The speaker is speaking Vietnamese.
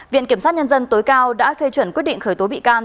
viện kiểm sát nhân dân tối cao đã phê chuẩn quyết định khởi tố bị can